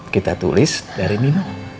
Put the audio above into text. kita tulis dari mino